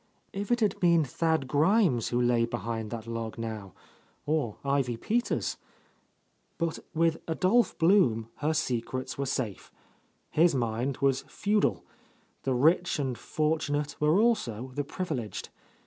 If it had been Thad Grimes who lay behind that log, now, or Ivy Peters? But with Adolph Blum her secrets were safe. His mind was feudal; the rich and fortunate were also the privileged.